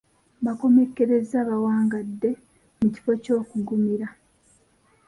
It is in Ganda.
Baakomekkereza bawangadde mu kifo ky’okuggumira.